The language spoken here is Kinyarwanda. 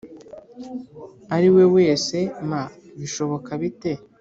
ari we wese m Bishoboka bite